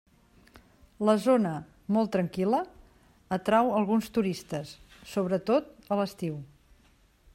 La zona, molt tranquil·la, atrau alguns turistes, sobretot a l'estiu.